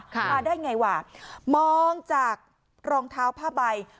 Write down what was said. มาได้ไงว่ะมองจากรองเท้าผ้าใบ